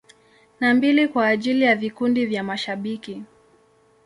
Na mbili kwa ajili ya vikundi vya mashabiki.